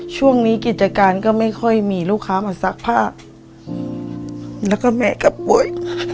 ช่วงนี้กิจการก็ไม่ค่อยมีลูกค้ามาซักผ้าแล้วก็แม่ก็ป่วย